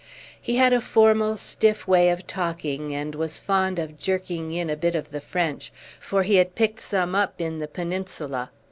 He had a formal stiff way of talking, and was fond of jerking in a bit of the French, for he had picked some up in the Peninsula.